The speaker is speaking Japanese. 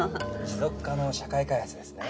持続可能社会開発ですね。